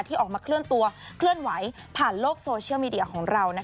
ออกมาเคลื่อนตัวเคลื่อนไหวผ่านโลกโซเชียลมีเดียของเรา